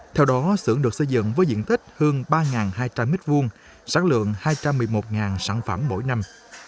theo đó xưởng được xây dựng với diện tích hơn ba hai trăm linh m hai sản lượng hai trăm một mươi một sản phẩm mỗi năm